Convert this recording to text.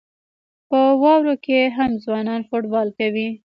په واورو کې هم ځوانان فوټبال کوي.